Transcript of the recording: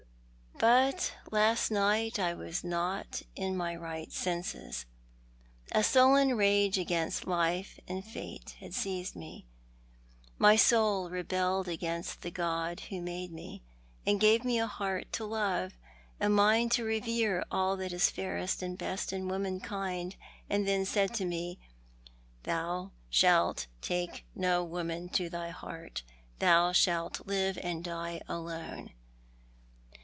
But last night I was not in my right senses. A sullen rage against life and fate had seized me. My soul rebelled against the God who made me, and gave me a heart to love, a mind to revere all that is fairest and best in womankind, and then said to me, ' Thou shalt take no woman to thy heart, thou shalt live and die alone.'